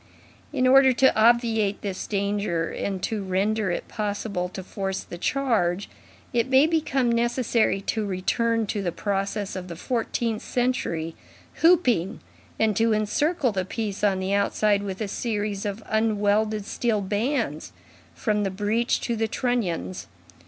In order to obviate this danger, and to render it possible to force the charge, it may become necessary to return to the process of the fourteenth century, hooping, and to encircle the piece on the outside with a series of unwelded steel bands, from the breech to the trunnions.